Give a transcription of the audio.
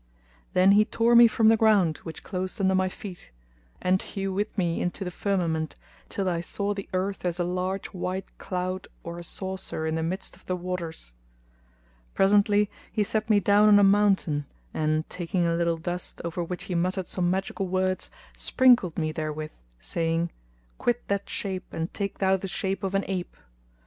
Then he tore me from the ground which closed under my feet and flew with me into the firmament till I saw the earth as a large white cloud or a saucer[FN#225] in the midst of the waters. Presently he set me down on a mountain, and taking a little dust, over which he muttered some magical words, sprinkled me therewith, saying, "Quit that shape and take thou the shape of an ape!"